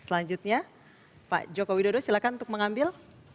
selanjutnya pak joko widodo silakan untuk mengambil